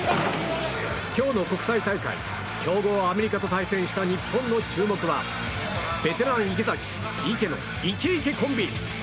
今日の国際大会強豪アメリカと対戦した日本の注目はベテラン池崎・池のイケイケコンビ。